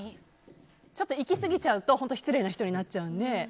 ちょっといきすぎちゃうと失礼な人になっちゃうので。